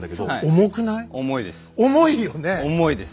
重いです。